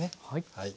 はい。